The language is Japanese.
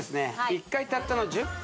「１回たったの１０分！？」